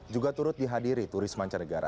juga turut dihadiri turis mancanegara